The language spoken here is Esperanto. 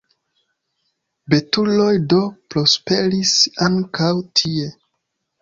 Betuloj do prosperis ankaŭ tie.